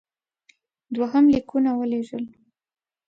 دوهم لیکونه ولېږل.